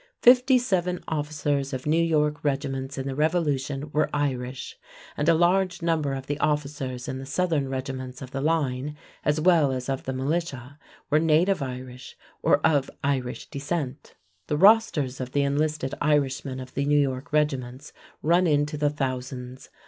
Fifty seven officers of New York regiments in the Revolution were Irish, and a large number of the officers in the Southern regiments of the line, as well as of the militia, were native Irish or of Irish descent. The rosters of the enlisted Irishmen of the New York regiments run into the thousands.